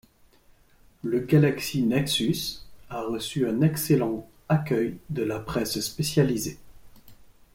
Le Galaxy Nexus a reçu un excellent accueil de la presse spécialisée.